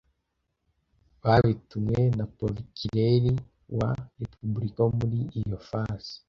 babitumwe na Prokireri wa Repubulika wo muri iyo fasi